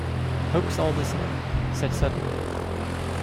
"Hoax all the same," said Sutton.